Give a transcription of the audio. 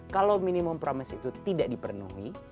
kalau minimum promise itu tidak dipenuhi